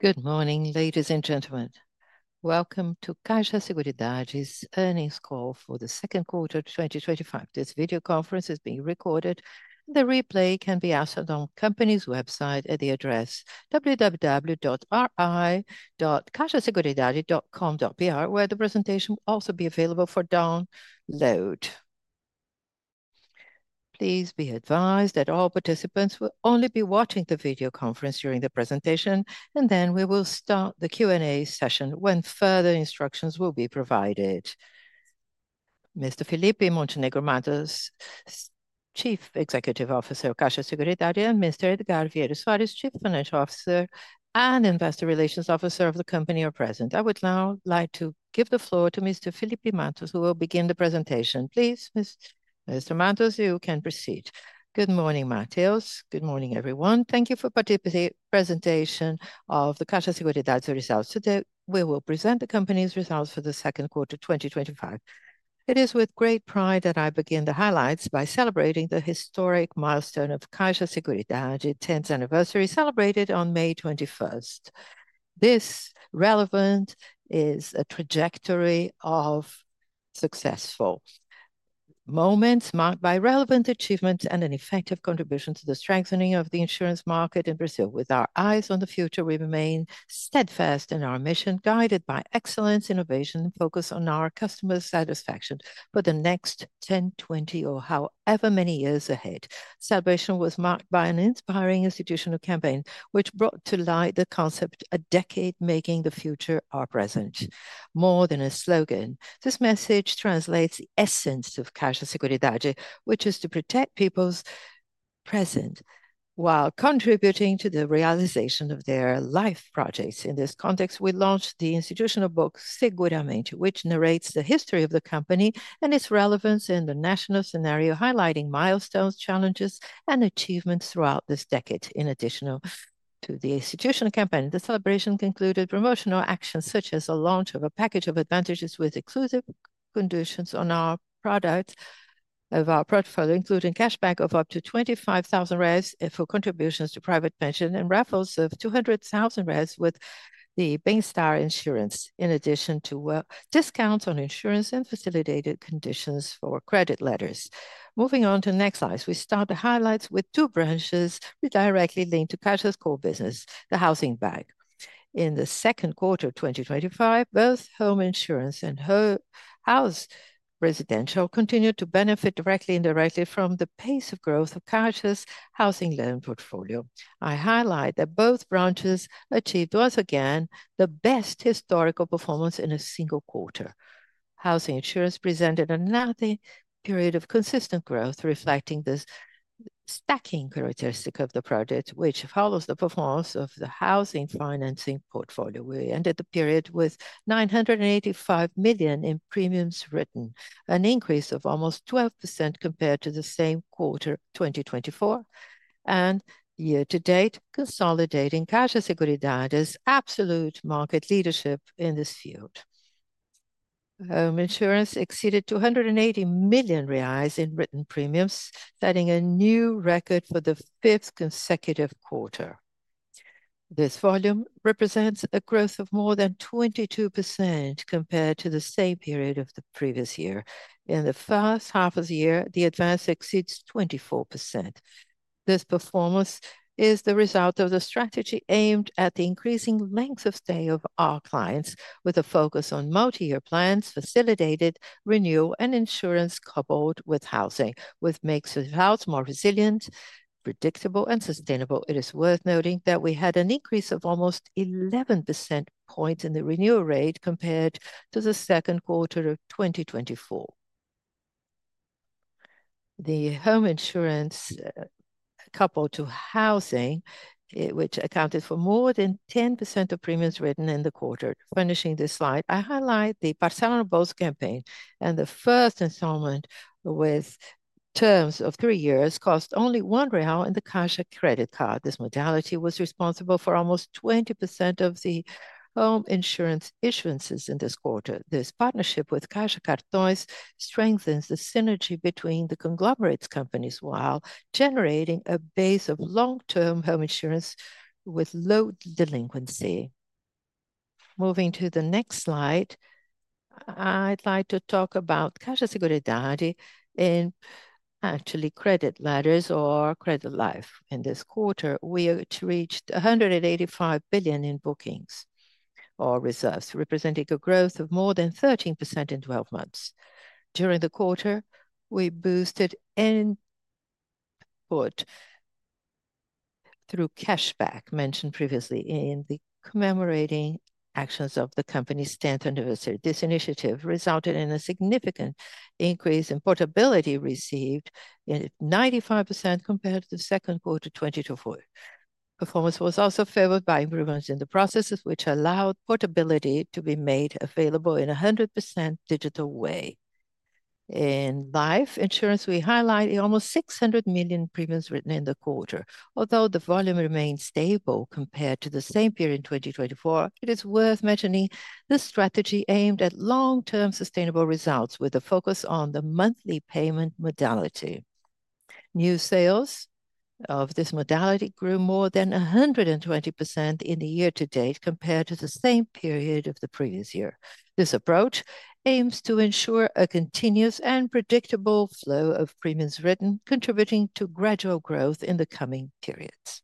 Good morning, ladies and gentlemen. Welcome to CAIXA Seguridade's earnings call for the second quarter of 2025. This video conference is being recorded. The replay can be accessed on the company's website at the address www.ri.caixaseguridade.com.br, where the presentation will also be available for download. Please be advised that all participants will only be watching the video conference during the presentation, and then we will start the Q&A session when further instructions will be provided. Mr. Felipe Montenegro Mattos, Chief Executive Officer of CAIXA Seguridade, and Mr. Edgard Vieira Soares, Chief Financial Officer and Investor Relations Officer of the company, are present. I would now like to give the floor to Mr. Felipe Mattos, who will begin the presentation. Please, Mr. Mattos, you can proceed. Good morning, Matheus. Good morning, everyone. Thank you for the presentation of CAIXA Seguridade's results. Today, we will present the company's results for the second quarter of 2025. It is with great pride that I begin the highlights by celebrating the historic milestone of CAIXA Seguridade, the 10th anniversary, celebrated on May 21 2025. This is a trajectory of successful moments marked by relevant achievements and an effective contribution to the strengthening of the insurance market in Brazil. With our eyes on the future, we remain steadfast in our mission, guided by excellence, innovation, and focused on our customers' satisfaction for the next 10, 20, or however many years ahead. The celebration was marked by an inspiring institutional campaign, which brought to light the concept of "a decade making the future our present," more than a slogan. This message translates the essence of CAIXA Seguridade, which is to protect people's present while contributing to the realization of their life projects. In this context, we launched the institutional book, Seguramente, which narrates the history of the company and its relevance in the national scenario, highlighting milestones, challenges, and achievements throughout this decade. In addition to the institutional campaign, the celebration included promotional actions, such as the launch of a package of advantages with exclusive conditions on products of our portfolio, including cashback incentives of up to 25,000 for contributions to private pension and raffles of 200,000 with Bem-Estar Insurance, in addition to discounts on insurance and facilitated conditions for credit letters. Moving on to the next slide, we start the highlights with two branches directly linked to CAIXA's core business, the Housing Bank. In the second quarter of 2025, both Home Insurance and house residential continued to benefit directly and indirectly from the pace of growth of CAIXA's housing loan portfolio. I highlight that both branches achieved, once again, the best historical performance in a single quarter. Housing insurance presented another period of consistent growth, reflecting the stacking characteristic of the project, which follows the performance of the housing financing portfolio. We ended the period with 985 million in premiums written, an increase of almost 12% compared to the same quarter of 2024, and year-to-date, consolidating CAIXA Seguridade's absolute market leadership in this field. Home insurance exceeded 280 million reais in written premiums, setting a new record for the fifth consecutive quarter. This volume represents a growth of more than 22% compared to the same period of the previous year. In the first half of the year, the advance exceeded 24%. This performance is the result of the strategy aimed at the increasing length of stay of our clients, with a focus on multi-year plans, facilitated renewal, and insurance coupled with housing, which makes the house more resilient, predictable, and sustainable. It is worth noting that we had an increase of almost 11 percent points in the renewal rate compared to the second quarter of 2024. The home insurance coupled to housing, which accounted for more than 10% of premiums written in the quarter. Furnishing this slide, I highlight the Parcela no Bolso campaign and the first installment with terms of three years cost only 1 real in the CAIXA credit card. This modality was responsible for almost 20% of the home insurance issuances in this quarter. This partnership with CAIXA Cartões strengthens the synergy between the conglomerate's companies while generating a base of long-term home insurance with low delinquency. Moving to the next slide, I'd like to talk about CAIXA Seguridade in actually credit letters or credit life. In this quarter, we reached 185 billion in bookings or reserves, representing a growth of more than 13% in 12 months. During the quarter, we boosted input through cashback mentioned previously in the commemorating actions of the company's 10th anniversary. This initiative resulted in a significant increase in portability received in 95% compared to the second quarter of 2024. Performance was also favored by improvements in the processes, which allowed portability to be made available in a 100% digital way. In Life Insurance, we highlight almost 600 million premiums written in the quarter. Although the volume remains stable compared to the same period in 2024, it is worth mentioning the strategy aimed at long-term sustainable results with a focus on the monthly payment modality. New sales of this modality grew more than 120% in the year-to-date compared to the same period of the previous year. This approach aims to ensure a continuous and predictable flow of premiums written, contributing to gradual growth in the coming periods.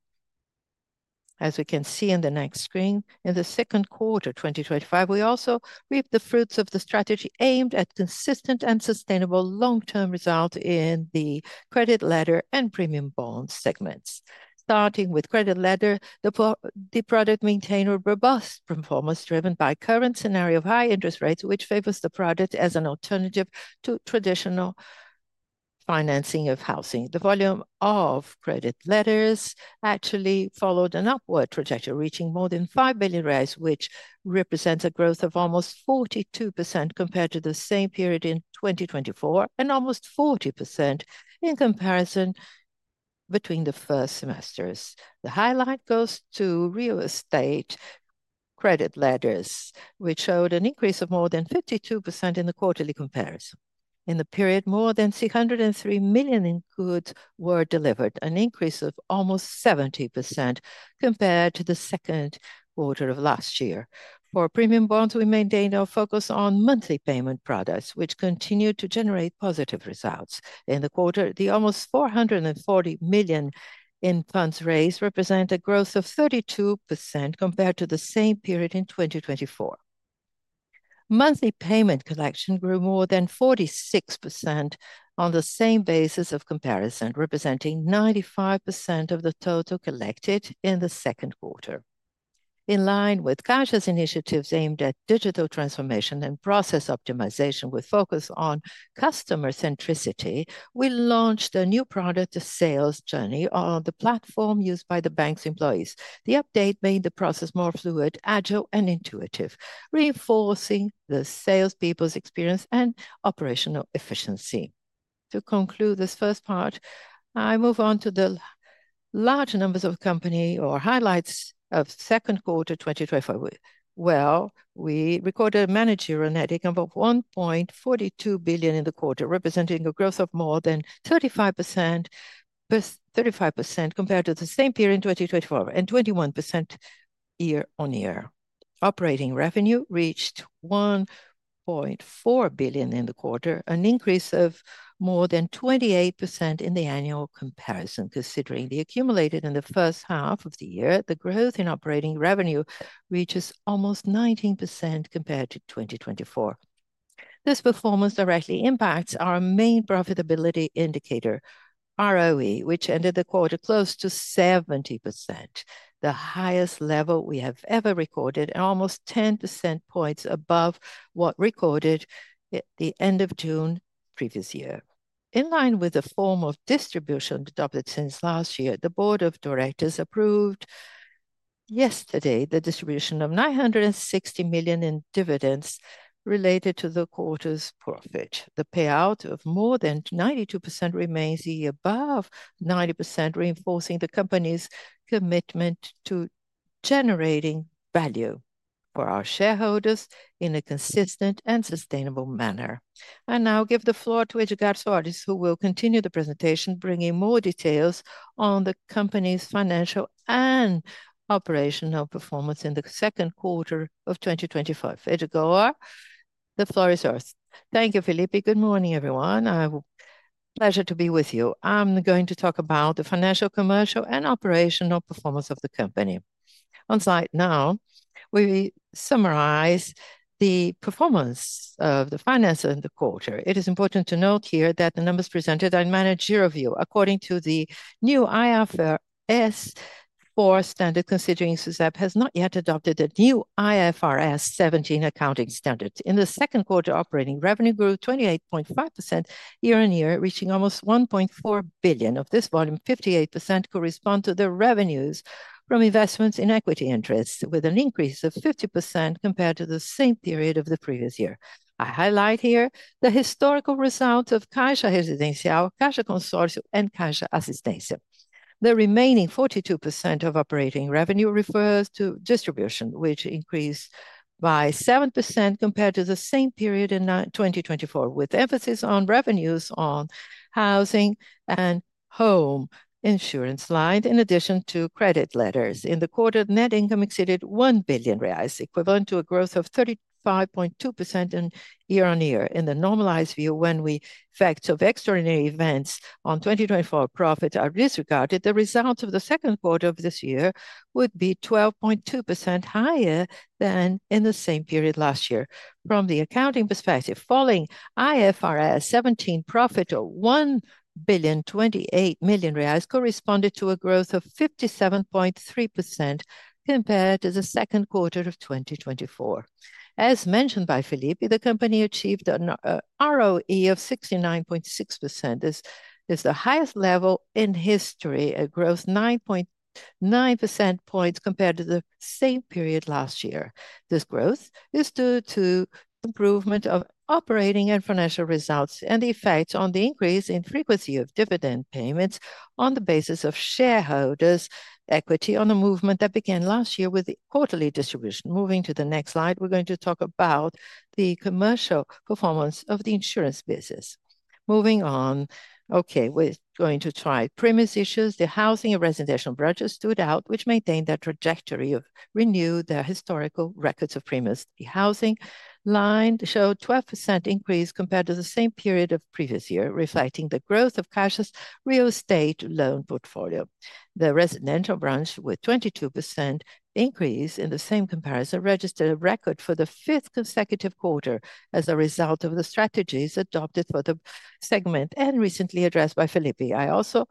As we can see on the next screen, in the second quarter of 2025, we also reaped the fruits of the strategy aimed at consistent and sustainable long-term results in the Credit Letter and Premium Bonds segments. Starting with Credit Letter, the product maintained a robust performance driven by the current scenario of high interest rates, which favors the product as an alternative to traditional financing of housing. The volume of credit letters actually followed an upward trajectory, reaching more than 5 billion reais, which represents a growth of almost 42% compared to the same period in 2024 and almost 40% in comparison between the first semesters. The highlight goes to Real Estate Credit Letters, which showed an increase of more than 52% in the quarterly comparison. In the period, more than 603 million in goods were delivered, an increase of almost 70% compared to the second quarter of last year. For premium bonds, we maintained our focus on monthly payment products, which continued to generate positive results. In the quarter, the almost 440 million in funds raised represent a growth of 32% compared to the same period in 2024. Monthly payment collection grew more than 46% on the same basis of comparison, representing 95% of the total collected in the second quarter. In line with CAIXA's initiatives aimed at digital transformation and process optimization with a focus on customer centricity, we launched a new product, the sales journey, on the platform used by the bank's employees. The update made the process more fluid, agile, and intuitive, reinforcing the salespeople's experience and operational efficiency. To conclude this first part, I move on to the large numbers of the company or highlights of the second quarter of 2025. We recorded a managerial net income of 1.42 billion in the quarter, representing a growth of more than 35% compared to the same period in 2024 and 21% year-on-year. Operating revenue reached 1.4 billion in the quarter, an increase of more than 28% in the annual comparison. Considering the accumulated in the first half of the year, the growth in operating revenue reaches almost 19% compared to 2024. This performance directly impacts our main profitability indicator, ROE, which ended the quarter close to 70%, the highest level we have ever recorded, and almost 10 percent points above what we recorded at the end of June previous year. In line with the formal distribution adopted since last year, the Board of Directors approved yesterday the distribution of 960 million in dividends related to the quarter's profit. The payout of more than 92% remains above 90%, reinforcing the company's commitment to generating value for our shareholders in a consistent and sustainable manner. I now give the floor to Edgard Soares, who will continue the presentation, bringing more details on the company's financial and operational performance in the second quarter of 2025. Edgard, the floor is yours. Thank you, Felipe. Good morning, everyone. A pleasure to be with you. I'm going to talk about the financial, commercial, and operational performance of the company. On slide now, we summarize the performance of the finances in the quarter. It is important to note here that the numbers presented are in managerial view. According to the new IFRS 4 standard, considering SUSEP has not yet adopted the new IFRS 17 accounting standards. In the second quarter, operating revenue grew 28.5% year-on-year, reaching almost 1.4 billion. Of this volume, 58% correspond to the revenues from investments in equity interests, with an increase of 50% compared to the same period of the previous year. I highlight here the historical results of CAIXA Residencial, CAIXA Consórcio, and CAIXA Assistência. The remaining 42% of operating revenue refers to distribution, which increased by 7% compared to the same period in 2024, with emphasis on revenues on housing and home insurance lines, in addition to credit letters. In the quarter, net income exceeded 1 billion reais, equivalent to a growth of 35.2% year-on-year. In the normalized view, when the effects of extraordinary events on 2024 profit are disregarded, the results of the second quarter of this year would be 12.2% higher than in the same period last year. From the accounting perspective, falling IFRS 17 profit of 1.028 billion corresponded to a growth of 57.3% compared to the second quarter of 2024. As mentioned by Felipe, the company achieved an ROE of 69.6%. This is the highest level in history, a growth of 9.9 percent points compared to the same period last year. This growth is due to the improvement of operating and financial results and the effects on the increase in frequency of dividend payments on the basis of shareholders' equity on a movement that began last year with the quarterly distribution. Moving to the next slide, we're going to talk about the commercial performance of the insurance business. The housing and residential branches stood out, which maintained their trajectory of renewing their historical records of premiums. The housing line showed a 12% increase compared to the same period of the previous year, reflecting the growth of CAIXA's real estate loan portfolio. The residential branch, with a 22% increase in the same comparison, registered a record for the fifth consecutive quarter as a result of the strategies adopted for the segment and recently addressed by Felipe. I also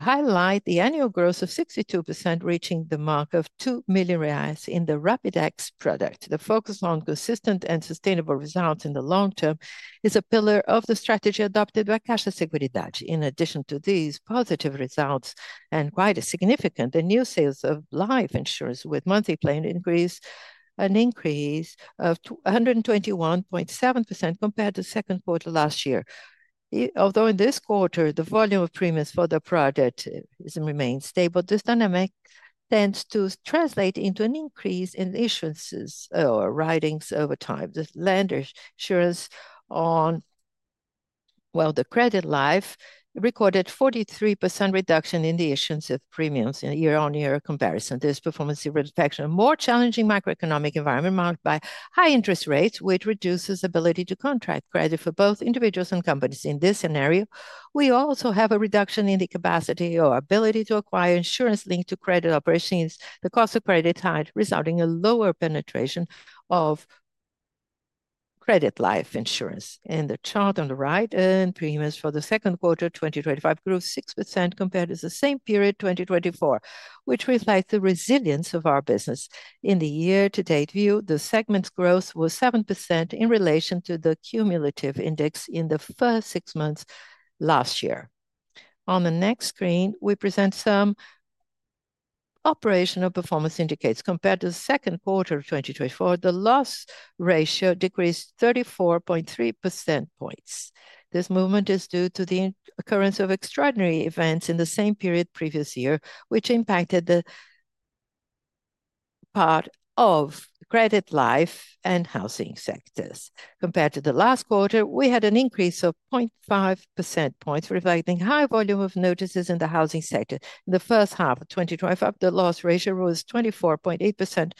highlight the annual growth of 62%, reaching the mark of 2 million reais in the Rapidex product. The focus on consistent and sustainable results in the long term is a pillar of the strategy adopted by CAIXA Seguridade. In addition to these positive results and quite significant new sales of life insurance, with monthly plan increases, an increase of 121.7% compared to the second quarter last year. Although in this quarter, the volume of premiums for the product remains stable, this dynamic tends to translate into an increase in issuance or writings over time. The lender's insurance on the credit life recorded a 43% reduction in the issuance of premiums in a year-on-year comparison. This performance reflects a more challenging macroeconomic environment marked by high interest rates, which reduce the ability to contract credit for both individuals and companies. In this scenario, we also have a reduction in the capacity or ability to acquire insurance linked to credit operations. The cost of credit is high, resulting in a lower penetration of credit life insurance. In the chart on the right, earned premiums for the second quarter of 2025 grew 6% compared to the same period, 2024, which reflects the resilience of our business. In the year-to-date view, the segment's growth was 7% in relation to the cumulative index in the first six months last year. On the next screen, we present some operational performance indicators. Compared to the second quarter of 2024, the loss ratio decreased 34.3 percent points. This movement is due to the occurrence of extraordinary events in the same period previous year, which impacted the part of credit life and housing sectors. Compared to the last quarter, we had an increase of 0.5 percent points, reflecting a high volume of notices in the housing sector. In the first half of 2025, the loss ratio was 24.8%,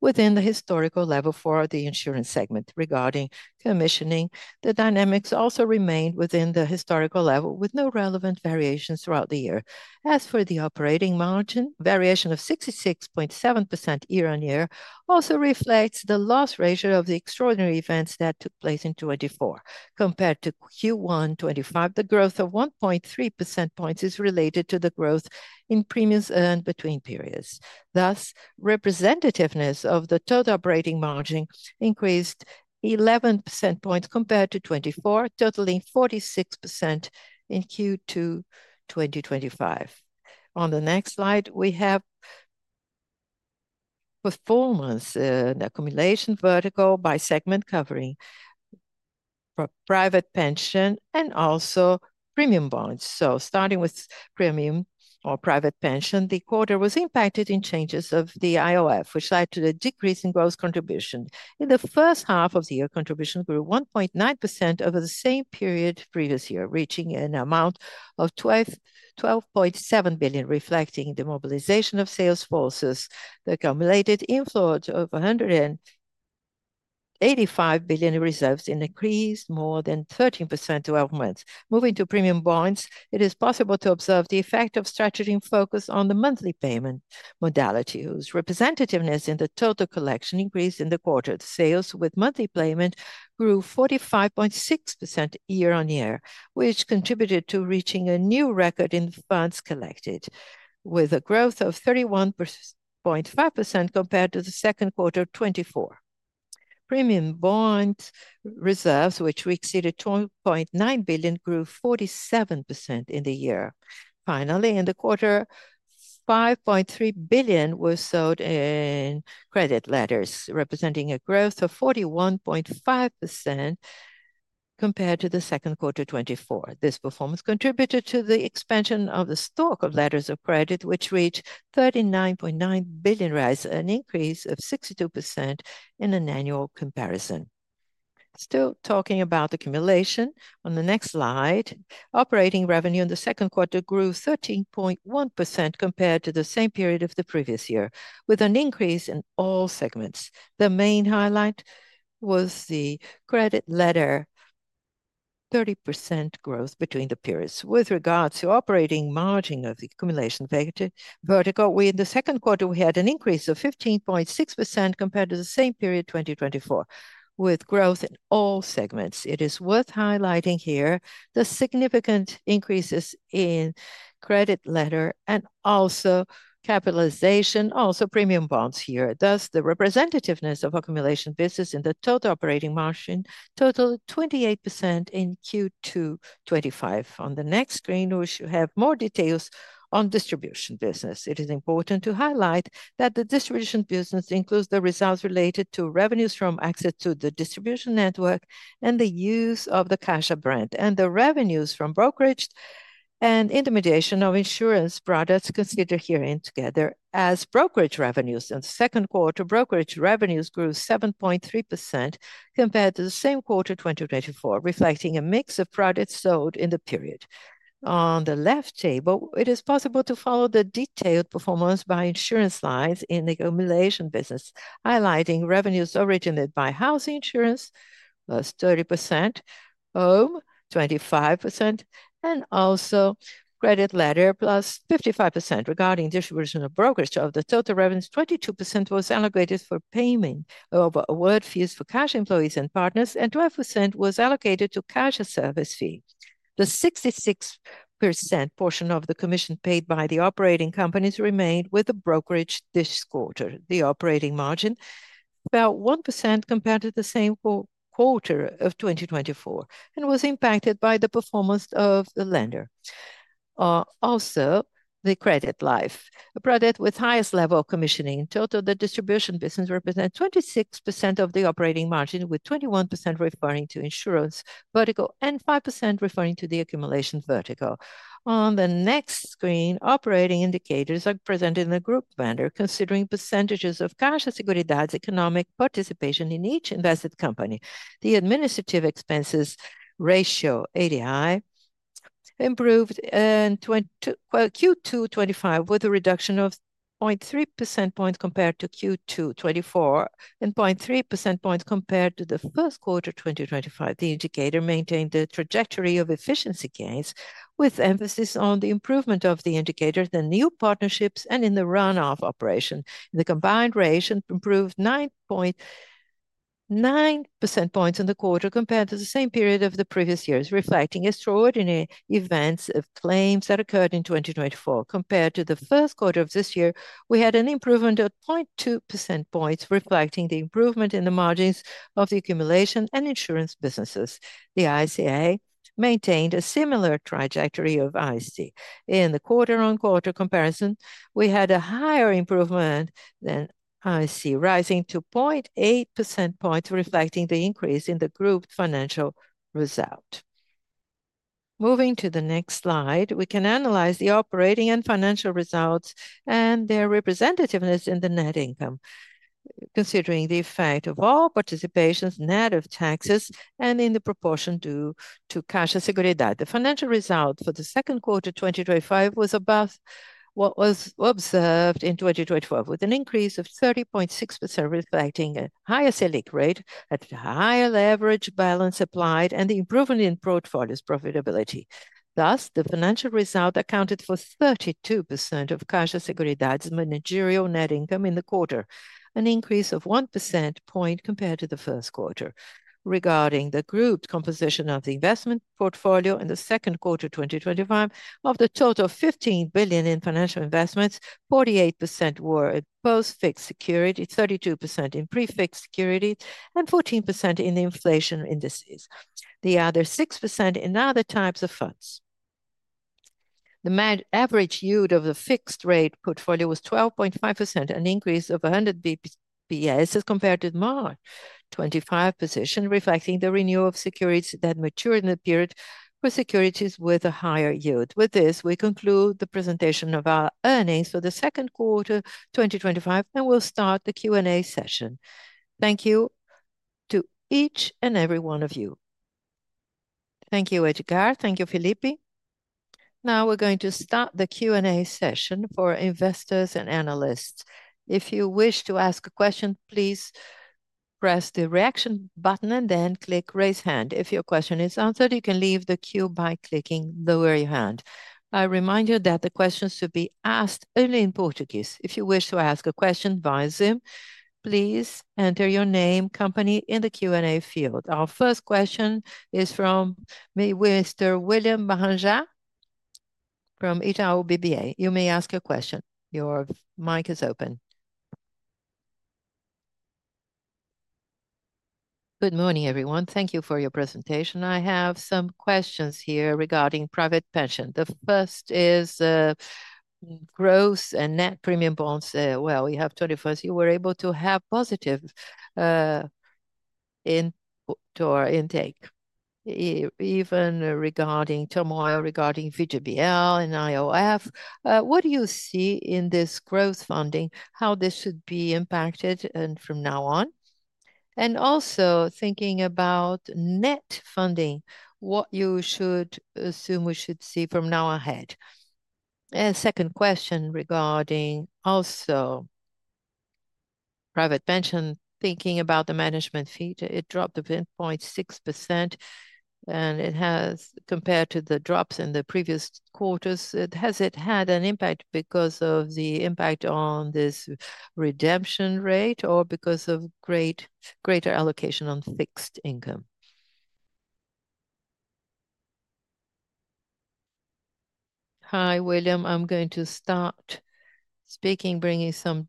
within the historical level for the insurance segment. Regarding commissioning, the dynamics also remained within the historical level, with no relevant variations throughout the year. As for the operating margin, variation of 66.7% year-on-year also reflects the loss ratio of the extraordinary events that took place in 2024. Compared to Q1 of 2025, the growth of 1.3 percent points is related to the growth in premiums earned between periods. Thus, representativeness of the total operating margin increased 11% points compared to 2024, totaling 46% in Q2 of 2025. On the next slide, we have performance and accumulation vertical by segment covering private pension and also premium bonds. Starting with private pension, the quarter was impacted in changes of the IOF, which led to a decrease in gross contribution. In the first half of the year, contributions grew 1.9% over the same period previous year, reaching an amount of 12.7 billion, reflecting the mobilization of sales forces. The accumulated inflow of 185 billion in reserves increased more than 13% to 12 months. Moving to Premium Bonds, it is possible to observe the effect of strategy and focus on the monthly payment modality. Representativeness in the total collection increased in the quarter. Sales with monthly payment grew 45.6% year-on-year, which contributed to reaching a new record in the funds collected, with a growth of 31.5% compared to the second quarter of 2024. Premium Bond reserves, which exceeded 2.9 billion, grew 47% in the year. Finally, in the quarter, 5.3 billion were sold in Credit Letters, representing a growth of 41.5% compared to the second quarter of 2024. This performance contributed to the expansion of the stock of credit letters, which reached 39.9 billion, an increase of 62% in an annual comparison. Still talking about accumulation, on the next slide, operating revenue in the second quarter grew 13.1% compared to the same period of the previous year, with an increase in all segments. The main highlight was the Credit Letter 30% growth between the periods. With regards to operating margin of the accumulation vertical, in the second quarter, we had an increase of 15.6% compared to the same period, 2024, with growth in all segments. It is worth highlighting here the significant increases in credit letter and also capitalization, also premium bonds here. Thus, the representativeness of accumulation business in the total operating margin totaled 28% in Q2 of 2025. On the next screen, we should have more details on distribution business. It is important to highlight that the distribution business includes the results related to revenues from access to the distribution network and the use of the CAIXA brand, and the revenues from brokerage and intermediation of insurance products considered here together as brokerage revenues. In the second quarter, brokerage revenues grew 7.3% compared to the same quarter of 2024, reflecting a mix of products sold in the period. On the left table, it is possible to follow the detailed performance by insurance lines in the accumulation business, highlighting revenues originated by housing insurance, +30%, home 25%, and also credit letter +55%. Regarding distribution of brokerage of the total revenues, 22% was allocated for payment of award fees for CAIXA employees and partners, and 12% was allocated to CAIXA's service fee. The 66% portion of the commission paid by the operating companies remained with the brokerage this quarter. The operating margin fell 1% compared to the same quarter of 2024 and was impacted by the performance of the lender. Also, the credit life, a product with the highest level of commissioning. In total, the distribution business represents 26% of the operating margin, with 21% referring to insurance vertical and 5% referring to the accumulation vertical. On the next screen, operating indicators are presented in a group manner, considering percentages of CAIXA Seguridade's economic participation in each invested company. The administrative expenses ratio, ADI, improved in Q2 of 2025 with a reduction of 0.3 percent points compared to Q2 of 2024 and 0.3 percent points compared to the first quarter of 2025. The indicator maintained the trajectory of efficiency gains, with emphasis on the improvement of the indicators, the new partnerships, and in the run-off operation. The combined ratio improved 9.9 percent points in the quarter compared to the same period of the previous years, reflecting extraordinary events of claims that occurred in 2024. Compared to the first quarter of this year, we had an improvement of 0.2 percent points, reflecting the improvement in the margins of the accumulation and insurance businesses. The ICA maintained a similar trajectory of ISC. In the quarter-on-quarter comparison, we had a higher improvement than ISC, rising to 0.8 percent points, reflecting the increase in the group financial result. Moving to the next slide, we can analyze the operating and financial results and their representativeness in the net income, considering the effect of all participations net of taxes and in the proportion due to CAIXA Seguridade. The financial result for the second quarter of 2025 was above what was observed in 2024, with an increase of 30.6%, reflecting a higher SELIC rate, a higher leverage balance applied, and the improvement in portfolio's profitability. Thus, the financial result accounted for 32% of CAIXA Seguridade's managerial net income in the quarter, an increase of 1 percent point compared to the first quarter. Regarding the grouped composition of the investment portfolio in the second quarter of 2025, of the total of 15 billion in financial investments, 48% were in post-fixed securities, 32% in pre-fixed securities, and 14% in the inflation indices. The other 6% in other types of funds. The average yield of the fixed-rate portfolio was 12.5%, an increase of 100 bps as compared to the March 2025 position, reflecting the renewal of securities that matured in the period for securities with a higher yield. With this, we conclude the presentation of our earnings for the second quarter of 2025, and we'll start the Q&A session. Thank you to each and every one of you. Thank you, Edgard. Thank you, Felipe. Now we're going to start the Q&A session for investors and analysts. If you wish to ask a question, please press the reaction button and then click raise hand. If your question is answered, you can leave the queue by clicking lower your hand. I remind you that the questions should be asked only in Portuguese. If you wish to ask a question via Zoom, please enter your name, company, in the Q&A field. Our first question is from Mr. William Barranjard from Itaú BBA. You may ask your question. Your mic is open. Good morning, everyone. Thank you for your presentation. I have some questions here regarding private pension. The first is gross and net premium bonds. We have 21st. You were able to have positive in our intake, even regarding turmoil regarding VGBL and IOF. What do you see in this growth funding, how this should be impacted from now on? Also, thinking about net funding, what you should assume we should see from now on ahead. Second question regarding also private pension, thinking about the management fee, it dropped to 0.6%. Compared to the drops in the previous quarters, has it had an impact because of the impact on this redemption rate or because of greater allocation on fixed income? Hi, William. I'm going to start speaking, bringing some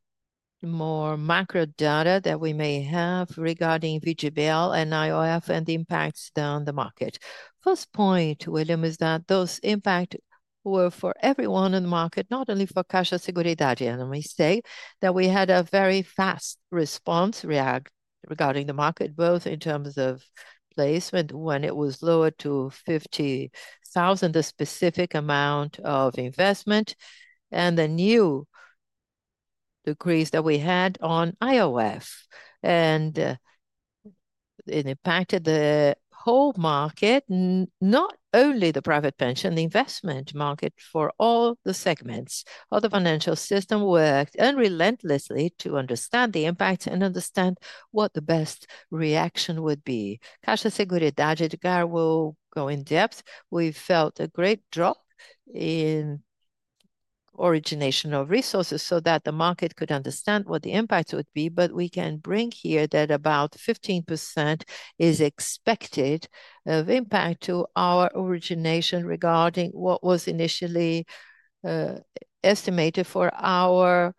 more macro data that we may have regarding VGBL and IOF and the impacts on the market. First point, William, is that those impacts were for everyone in the market, not only for CAIXA Seguridade. We say that we had a very fast response react regarding the market, both in terms of placement when it was lowered to [50,000], the specific amount of investment, and the new decrease that we had on IOF. It impacted the whole market, not only the private pension, the investment market for all the segments. Other financial systems worked unrelentingly to understand the impacts and understand what the best reaction would be. CAIXA Seguridade, Edgard, will go in depth. We felt a great drop in origination of resources so that the market could understand what the impacts would be, but we can bring here that about 15% is expected of impact to our origination regarding what was initially estimated for our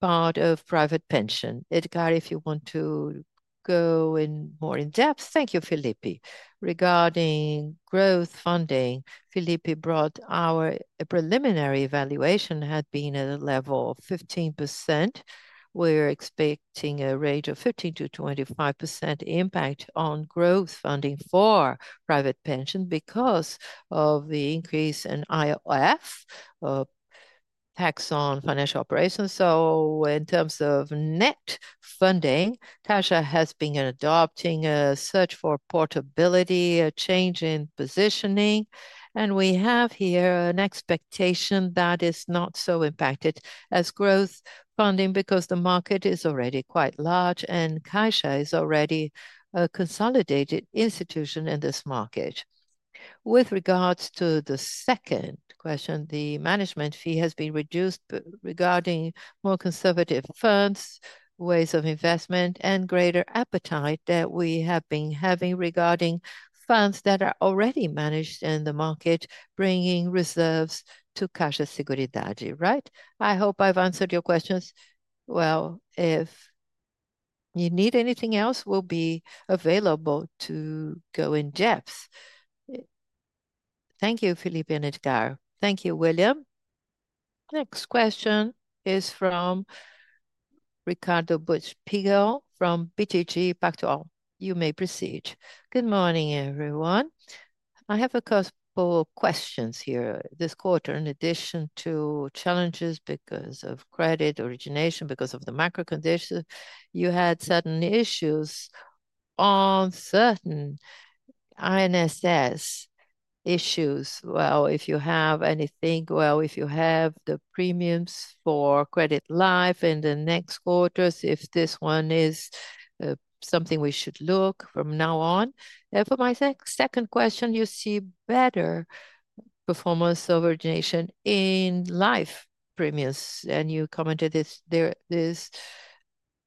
part of private pension. Edgard, if you want to go more in depth. Thank you, Felipe. Regarding growth funding, Felipe brought our preliminary evaluation had been at a level of 15%. We're expecting a range of 15%-25% impact on growth funding for private pension because of the increase in IOF, tax on financial operations. In terms of net funding, CAIXA has been adopting a search for portability, a change in positioning, and we have here an expectation that is not so impacted as growth funding because the market is already quite large and CAIXA is already a consolidated institution in this market. With regards to the second question, the management fee has been reduced regarding more conservative funds, ways of investment, and greater appetite that we have been having regarding funds that are already managed in the market, bringing reserves to CAIXA Seguridade, right? I hope I've answered your questions. If you need anything else, we'll be available to go in depth. Thank you, Felipe and Edgard. Thank you, William. Next question is from Ricardo Buchpigel from BTG Pactual. You may proceed. Good morning, everyone. I have a couple of questions here. This quarter, in addition to challenges because of credit origination, because of the macro conditions, you had certain issues on certain INSS issues. If you have the premiums for credit life in the next quarters, if this one is something we should look at from now on. For my second question, you see better performance origination in life premiums, and you commented that this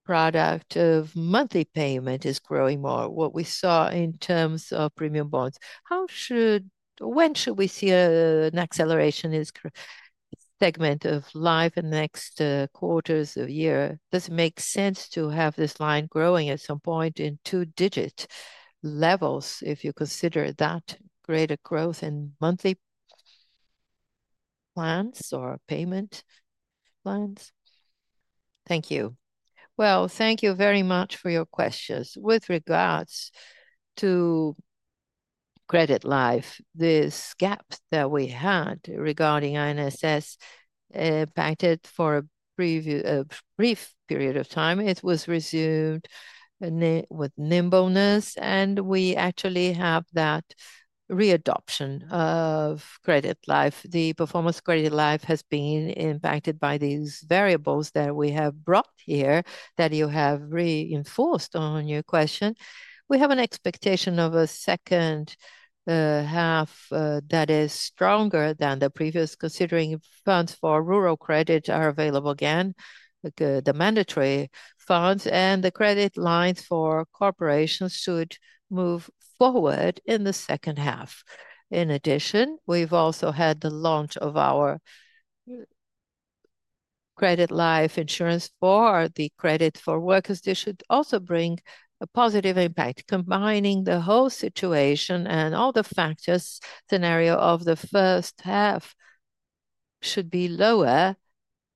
product of monthly payment is growing more. What we saw in terms of premium bonds, how should, when should we see an acceleration in this segment of life in the next quarters of the year? Does it make sense to have this line growing at some point in two-digit levels if you consider that greater growth in monthly plans or payment plans? Thank you. Thank you very much for your questions. With regards to credit life, this gap that we had regarding INSS impacted for a brief period of time, it was resumed with nimbleness, and we actually have that readoption of credit life. The performance of credit life has been impacted by these variables that we have brought here that you have reinforced on your question. We have an expectation of a second half that is stronger than the previous, considering funds for rural credit are available again, the mandatory funds, and the credit lines for corporations should move forward in the second half. In addition, we've also had the launch of our credit life insurance for the credit for workers. This should also bring a positive impact. Combining the whole situation and all the factors, the scenario of the first half should be lower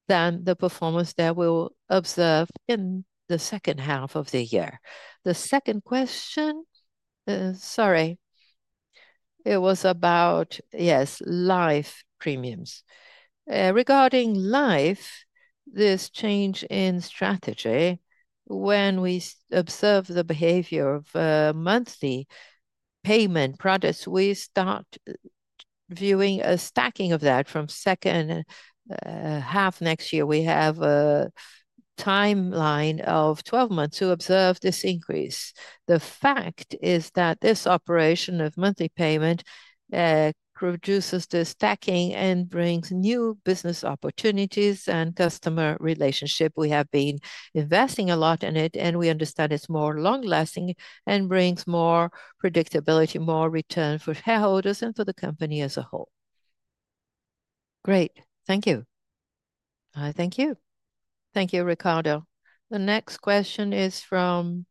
than the performance that we observed in the second half of the year. The second question? Sorry. It was about, yes, life premiums. Regarding life, this change in strategy, when we observe the behavior of monthly payment products, we start viewing a stacking of that from the second half next year. We have a timeline of 12 months to observe this increase. The fact is that this operation of monthly payment produces this stacking and brings new business opportunities and customer relationships. We have been investing a lot in it, and we understand it's more long-lasting and brings more predictability, more return for shareholders and for the company as a whole. Great. Thank you. Thank you. Thank you, Ricardo. The next question is from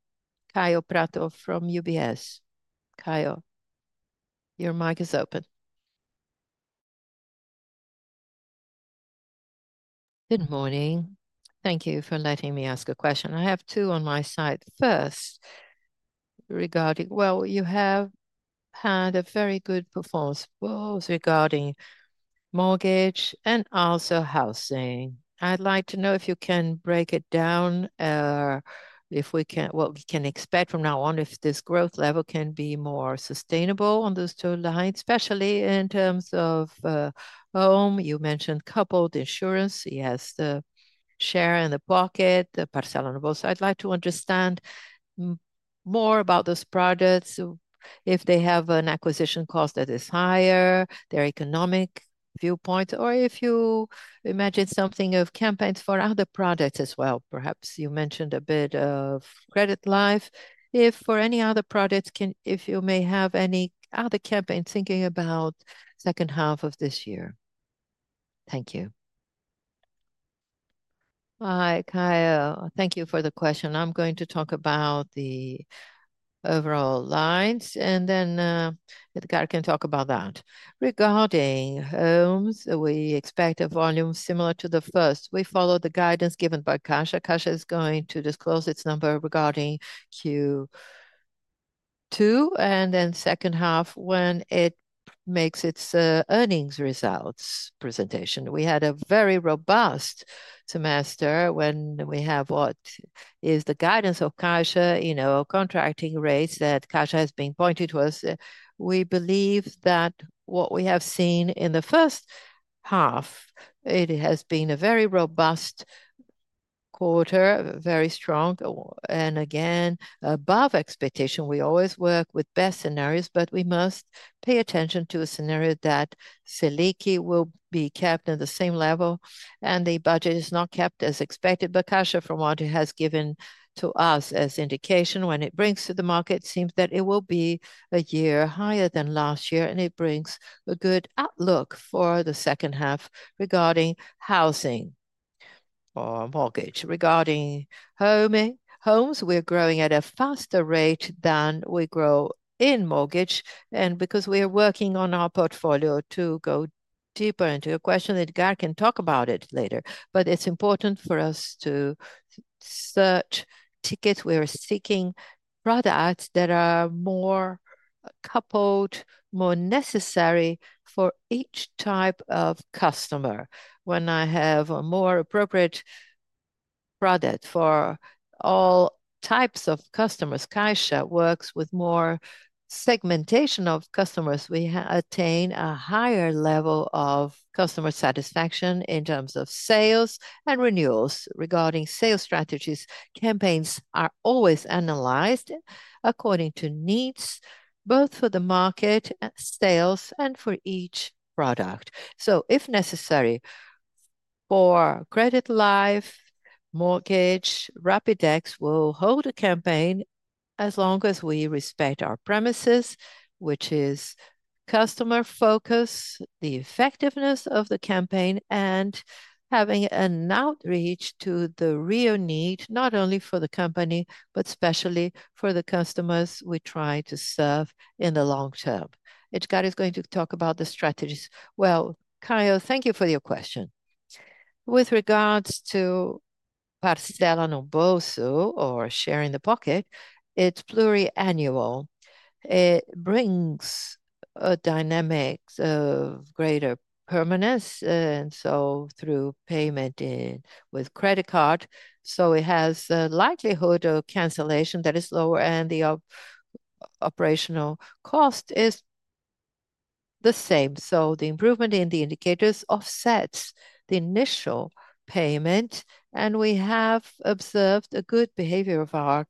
Kaio Prato from UBS. Kaio, your mic is open. Good morning. Thank you for letting me ask a question. I have two on my side. First, regarding, you have had a very good performance regarding mortgage and also housing. I'd like to know if you can break it down or if we can, what we can expect from now on, if this growth level can be more sustainable on those two lines, especially in terms of home. You mentioned coupled insurance. Yes, the share and the pocket, the Parcela no Bolso. I'd like to understand more about those products, if they have an acquisition cost that is higher, their economic viewpoints, or if you imagine something of campaigns for other products as well. Perhaps you mentioned a bit of credit life. If for any other products, if you may have any other campaigns thinking about the second half of this year. Thank you. Hi, Kaio. Thank you for the question. I'm going to talk about the overall lines, and then Edgard can talk about that. Regarding homes, we expect a volume similar to the first. We follow the guidance given by CAIXA. CAIXA is going to disclose its number regarding Q2 and then the second half when it makes its earnings results presentation. We had a very robust semester when we have what is the guidance of CAIXA, you know, contracting rates that CAIXA has been pointing towards. We believe that what we have seen in the first half, it has been a very robust quarter, very strong, and again, above expectation. We always work with best scenarios, but we must pay attention to a scenario that SELIC will be kept at the same level and the budget is not kept as expected. CAIXA, from what it has given to us as indication, when it brings to the market, it seems that it will be a year higher than last year, and it brings a good outlook for the second half regarding housing or mortgage. Regarding homes, we're growing at a faster rate than we grow in mortgage, and because we are working on our portfolio to go deeper into your question, Edgard can talk about it later. It's important for us to search tickets. We are seeking products that are more coupled, more necessary for each type of customer. When I have a more appropriate product for all types of customers, CAIXA works with more segmentation of customers. We attain a higher level of customer satisfaction in terms of sales and renewals. Regarding sales strategies, campaigns are always analyzed according to needs, both for the market, sales, and for each product. If necessary, for credit life, mortgage, Rapidex will hold a campaign as long as we respect our premises, which is customer focus, the effectiveness of the campaign, and having an outreach to the real need, not only for the company, but especially for the customers we try to serve in the long term. Edgard is going to talk about the strategies. Kaio, thank you for your question. With regards to Parcela no Bolso or sharing the pocket, it's pluriannual. It brings a dynamic of greater permanence, and through payment in with credit card. It has a likelihood of cancellation that is lower, and the operational cost is the same. The improvement in the indicators offsets the initial payment, and we have observed a good behavior of our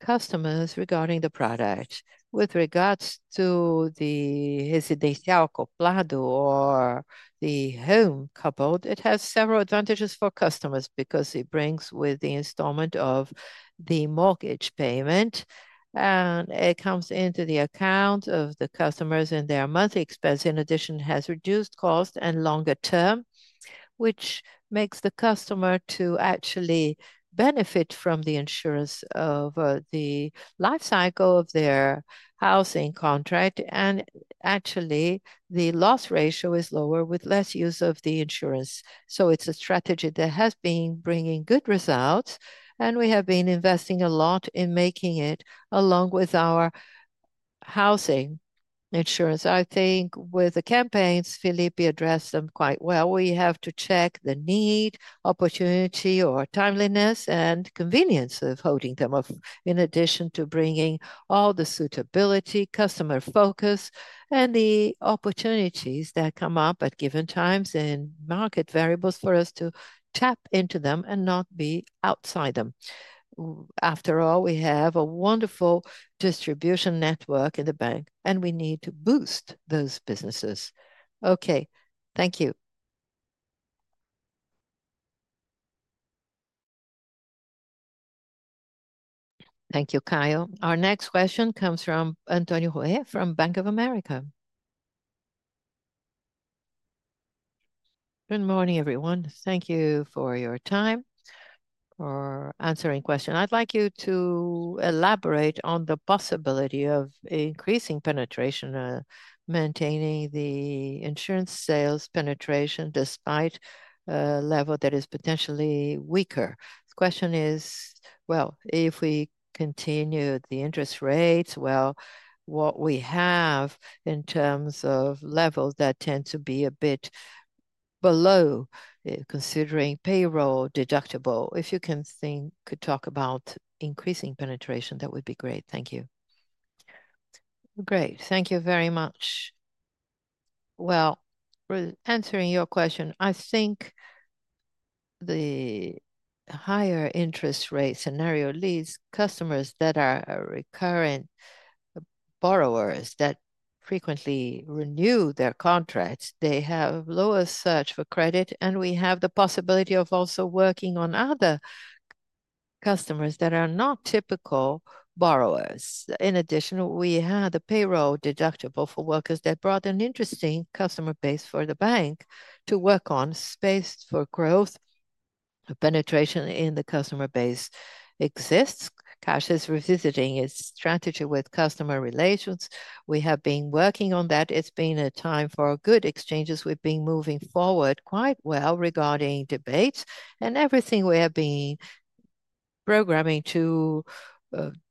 customers regarding the product. With regards to the residencial couplado or the home coupled, it has several advantages for customers because it brings with the installment of the mortgage payment, and it comes into the account of the customers and their monthly expense. In addition, it has reduced cost and longer term, which makes the customer actually benefit from the insurance of the life cycle of their housing contract. Actually, the loss ratio is lower with less use of the insurance. It's a strategy that has been bringing good results, and we have been investing a lot in making it along with our housing insurance. I think with the campaigns, Felipe addressed them quite well. We have to check the need, opportunity, or timeliness, and convenience of holding them, in addition to bringing all the suitability, customer focus, and the opportunities that come up at given times in market variables for us to tap into them and not be outside them. After all, we have a wonderful distribution network in the bank, and we need to boost those businesses. Okay. Thank you. Thank you, Kaio. Our next question comes from Antonio Ruette from Bank of America. Good morning, everyone. Thank you for your time for answering questions. I'd like you to elaborate on the possibility of increasing penetration and maintaining the insurance sales penetration despite a level that is potentially weaker. The question is, if we continue the interest rates, what we have in terms of levels that tend to be a bit below, considering payroll deductible. If you can think to talk about increasing penetration, that would be great. Thank you. Great. Thank you very much. Answering your question, I think the higher interest rate scenario leaves customers that are recurring borrowers that frequently renew their contracts. They have lower search for credit, and we have the possibility of also working on other customers that are not typical borrowers. In addition, we had a payroll deductible for workers that brought an interesting customer base for the bank to work on, space for growth. A penetration in the customer base exists. CAIXA is revisiting its strategy with customer relations. We have been working on that. It's been a time for good exchanges. We've been moving forward quite well regarding debates and everything we have been programming to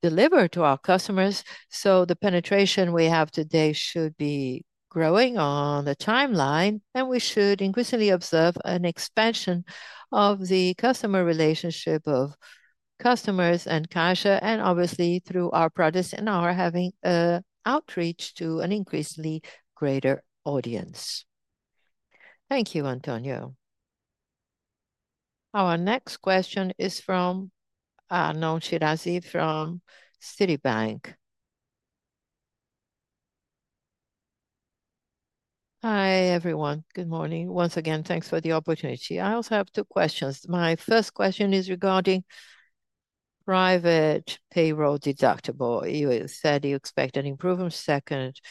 deliver to our customers. The penetration we have today should be growing on the timeline, and we should increasingly observe an expansion of the customer relationship of customers and CAIXA, and obviously through our products and our having an outreach to an increasingly greater audience. Thank you, Antonio. Our next question is from Arnon Shirazi from Citibank. Hi, everyone. Good morning. Once again, thanks for the opportunity. I also have two questions. My first question is regarding private payroll deductible. You said you expect an improvement in the second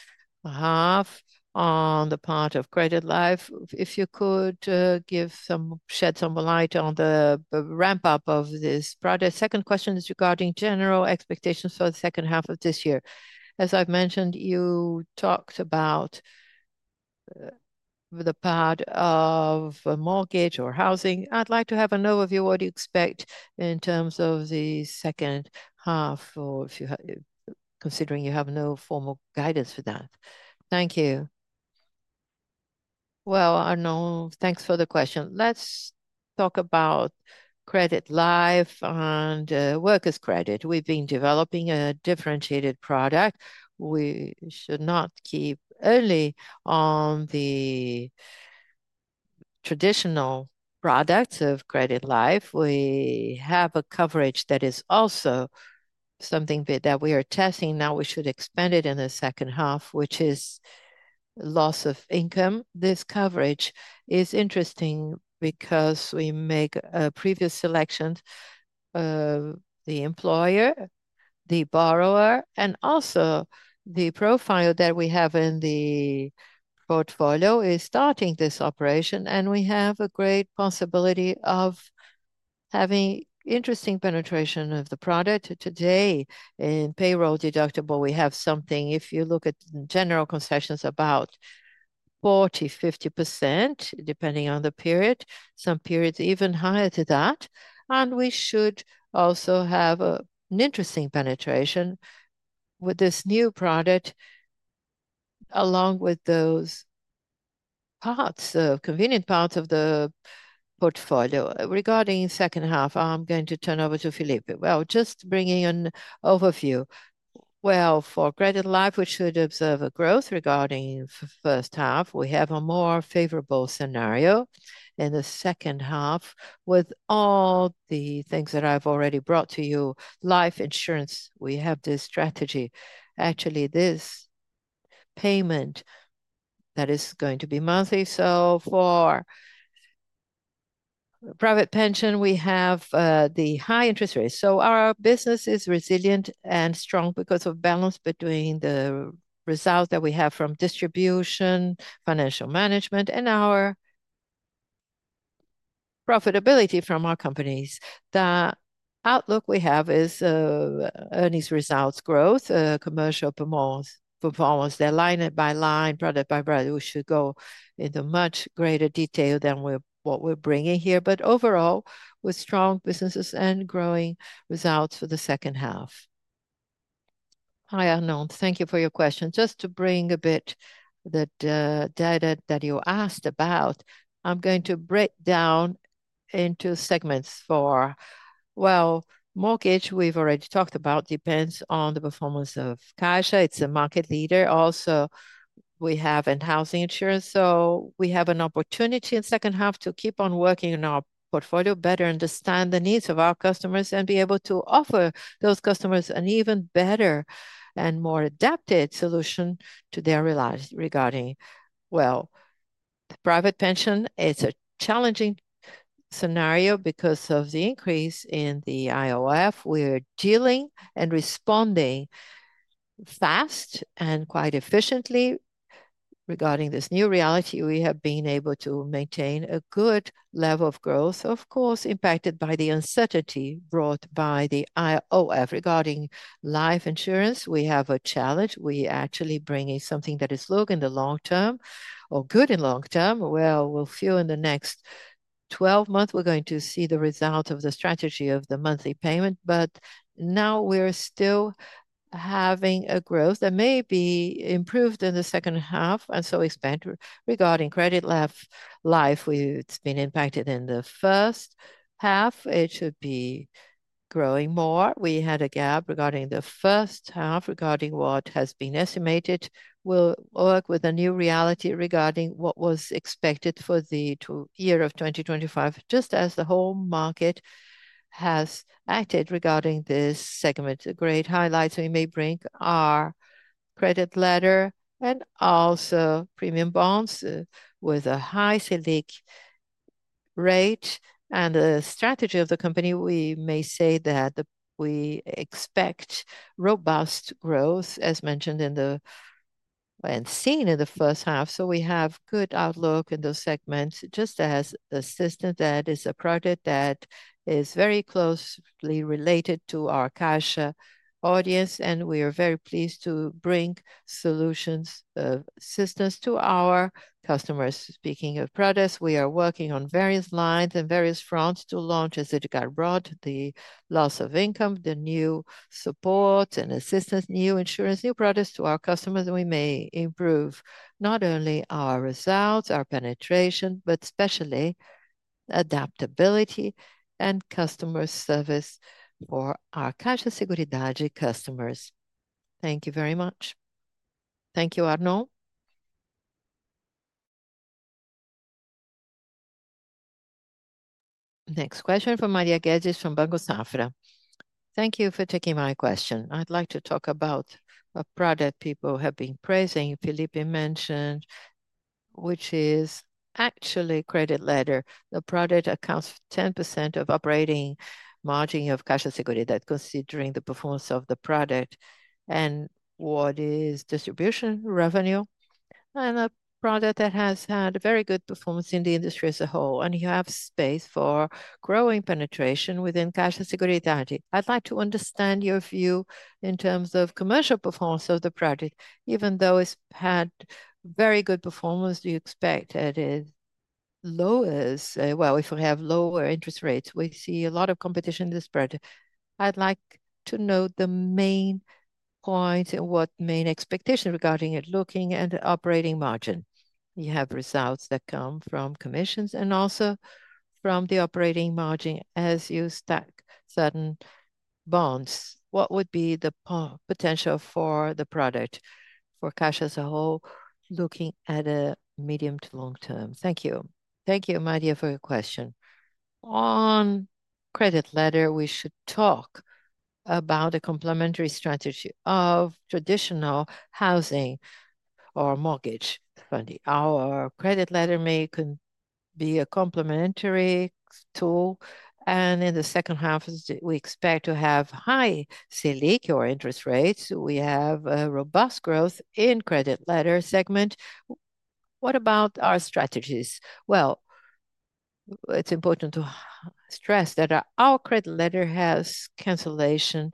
half on the part of credit life. If you could shed some light on the ramp-up of this product. The second question is regarding general expectations for the second half of this year. As I've mentioned, you talked about the part of mortgage or housing. I'd like to have an overview of what you expect in terms of the second half, or if you considering you have no formal guidance for that. Thank you. Thanks for the question. Let's talk about credit life and workers' credit. We've been developing a differentiated product. We should not keep only on the traditional products of credit life. We have a coverage that is also something that we are testing now. We should expand it in the second half, which is loss of income. This coverage is interesting because we make a previous selection of the employer, the borrower, and also the profile that we have in the portfolio is starting this operation, and we have a great possibility of having interesting penetration of the product. Today in payroll deductible, we have something, if you look at general concessions, about 40%-50% depending on the period. Some periods even higher than that. We should also have an interesting penetration with this new product along with those convenient parts of the portfolio. Regarding the second half, I'm going to turn over to Felipe. Just bringing an overview. For credit life, we should observe a growth regarding the first half. We have a more favorable scenario in the second half with all the things that I've already brought to you. Life insurance, we have this strategy. Actually, this payment that is going to be monthly. For private pension, we have the high interest rates. Our business is resilient and strong because of the balance between the results that we have from distribution, financial management, and our profitability from our companies. The outlook we have is earnings results, growth, commercial performance. They're line by line, product by product. We should go into much greater detail than what we're bringing here. Overall, with strong businesses and growing results for the second half. Hi, Arnon. Thank you for your question. Just to bring a bit of the data that you asked about, I'm going to break down into segments for, mortgage we've already talked about depends on the performance of CAIXA. It's a market leader. Also, we have in-house insurance. We have an opportunity in the second half to keep on working in our portfolio, better understand the needs of our customers, and be able to offer those customers an even better and more adapted solution to their lives regarding, the private pension. It's a challenging scenario because of the increase in the IOF. We're dealing and responding fast and quite efficiently regarding this new reality. We have been able to maintain a good level of growth, of course, impacted by the uncertainty brought by the IOF. Regarding life insurance, we have a challenge. We actually bring in something that is low in the long term or good in the long term. We'll feel in the next 12 months, we're going to see the result of the strategy of the monthly payment. Now we're still having a growth that may be improved in the second half, and expand regarding credit life. It's been impacted in the first half. It should be growing more. We had a gap regarding the first half regarding what has been estimated. We'll work with a new reality regarding what was expected for the year of 2025, just as the whole market has acted regarding this segment. A great highlight. We may bring our credit letter segment and also premium bonds with a high SELIC rate and the strategy of the company. We may say that we expect robust growth, as mentioned and seen in the first half. We have a good outlook in those segments, just as the system that is a product that is very closely related to our CAIXA audience, and we are very pleased to bring solutions of assistance to our customers. Speaking of products, we are working on various lines and various fronts to launch, as Edgard brought, the loss-of-income coverage, the new support and assistance, new insurance, new products to our customers. We may improve not only our results, our penetration, but especially the adaptability and customer service for our CAIXA Seguridade customers. Thank you very much. Thank you, Arnon. Next question from Maria Guedes from Banco Safra. Thank you for taking my question. I'd like to talk about a product people have been praising. Felipe mentioned, which is actually a credit letter. The product accounts for 10% of operating margin of CAIXA Seguridade, considering the performance of the product and what is distribution revenue, and a product that has had a very good performance in the industry as a whole. You have space for growing penetration within CAIXA Seguridade. I'd like to understand your view in terms of commercial performance of the product. Even though it's had very good performance, do you expect it is low as, well, if we have lower interest rates, we see a lot of competition in this product. I'd like to know the main points and what main expectations regarding it, looking at the operating margin. You have results that come from commissions and also from the operating margin as you stack certain bonds. What would be the potential for the product for CAIXA as a whole, looking at a medium to long term? Thank you. Thank you, Maria, for your question. On credit letter, we should talk about a complementary strategy of traditional housing or mortgage funding. Our credit letter may be a complementary tool, and in the second half, we expect to have high SELIC or interest rates. We have a robust growth in the credit letter segment. What about our strategies? It's important to stress that our credit letter has a cancellation